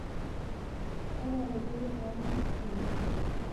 أنا لدي جار مصري.